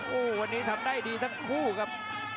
โอ้โหวันนี้ทำได้ดีทั้งคู่ครับ